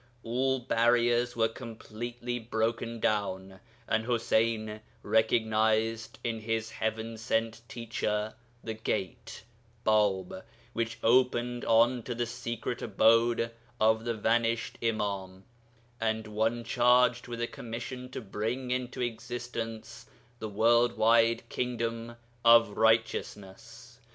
All barriers were completely broken down, and Ḥuseyn recognized in his heaven sent teacher the Gate (Bāb) which opened on to the secret abode of the vanished Imām, and one charged with a commission to bring into existence the world wide Kingdom of Righteousness.